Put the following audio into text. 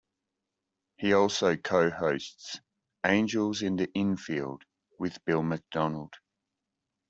He also co-hosts "Angels in the Infield" with Bill Macdonald.